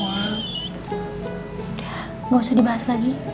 udah gak usah dibahas lagi